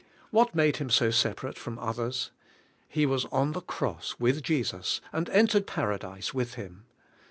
What made him so separate from others? He was on the cross with Jesus and entered Paradise with Him.